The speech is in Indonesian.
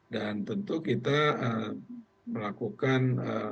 dan tentu kita melakukan